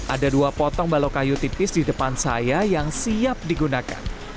ada dua potong balok kayu tipis di depan saya yang siap digunakan